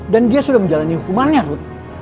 dan dia sudah menjalani hukumannya ruth